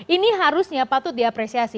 ini harusnya patut diapresiasi